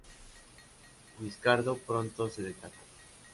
Guiscardo pronto se destacó.